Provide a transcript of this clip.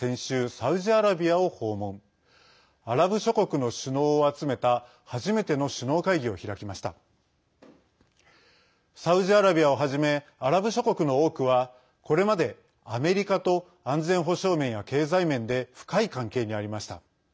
サウジアラビアをはじめアラブ諸国の多くはこれまでアメリカと安全保障面や経済面で深い関係にありました。